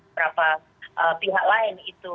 berapa pihak lain itu